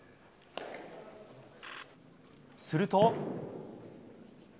すると。